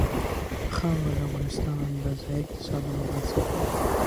خاوره د افغانستان د ځایي اقتصادونو بنسټ دی.